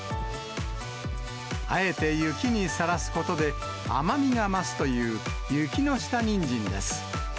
あえて雪にさらすことで、甘みが増すという雪の下にんじんです。